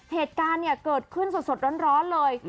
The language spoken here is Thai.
เหตุการณ์เนี่ยเกิดขึ้นสดร้อนเลย